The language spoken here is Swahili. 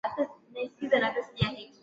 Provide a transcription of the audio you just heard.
Walimu wamefika.